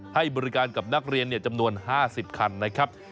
ให้บริการกับนักเรียนจำนวน๕๐คันนะครับ